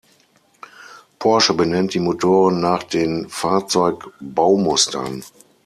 Porsche benennt die Motoren nach den Fahrzeug-Baumustern.